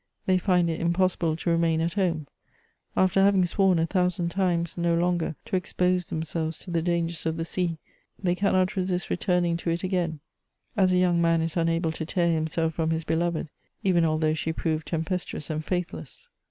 They find it impossible to remain at home : after having sworn a thousand times no longer to expose themselves to the dangers of the sea, they cannot resist returning to it again, as a young man is 236 MEMOIRS OF unable to tear himself from his beloved, even although she prove tempestuous and faithless.